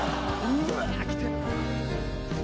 うわきてる。